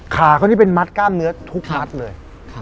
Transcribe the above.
ขาเขานี่เป็นมัดกล้ามเนื้อทุกมัดเลย